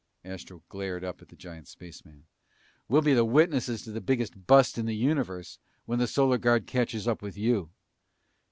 Astro glared up at the giant spaceman. "We'll be the witnesses to the biggest bust in the universe when the Solar Guard catches up with you!"